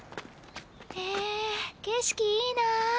へえ景色いいなぁ。